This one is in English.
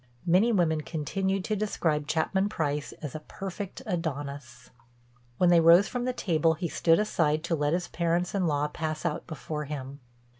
Many women continued to describe Chapman Price as "a perfect Adonis." When they rose from the table he stood aside to let his parents in law pass out before him.